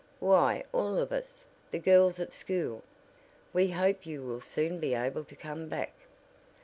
"Why all of us; the girls at school. We hope you will soon be able to come back."